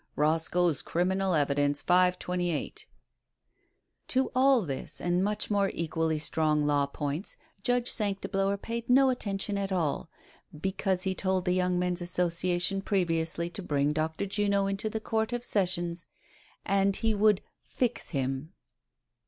— Boscoe's Criminal Evi dence, 528. To all this, and much more equally strong law points, Judge Sanctiblower paid no attention at all ; because he told the Young Men's Association previously to bring Dr. Juno into the Court of Sessions and he would "fix him."